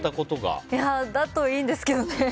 だといいんですけどね。